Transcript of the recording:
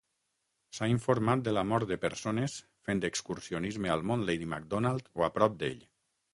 S'ha informat de la mort de persones fent excursionisme al mont Lady Macdonald o a prop d'ell.